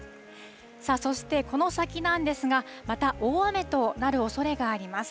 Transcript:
そして、この先なんですが、また大雨となるおそれがあります。